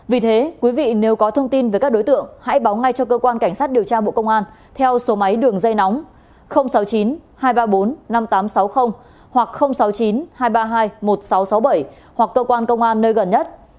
vì thế quý vị nếu có thông tin về các đối tượng hãy báo ngay cho cơ quan cảnh sát điều tra bộ công an theo số máy đường dây nóng sáu mươi chín hai trăm ba mươi bốn năm nghìn tám trăm sáu mươi hoặc sáu mươi chín hai trăm ba mươi hai một nghìn sáu trăm sáu mươi bảy hoặc cơ quan công an nơi gần nhất